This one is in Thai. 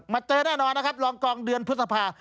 เจอแน่นอนนะครับลองกองเดือนพฤษภา